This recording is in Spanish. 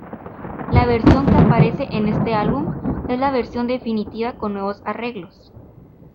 La versión que aparece en este álbum es la versión definitiva con nuevos arreglos.